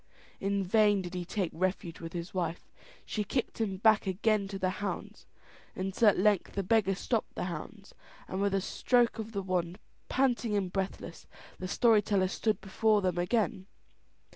In vain did he take refuge with his wife, she kicked him back again to the hounds, until at length the beggar stopped the hounds, and with a stroke of the wand, panting and breathless, the story teller stood before them again.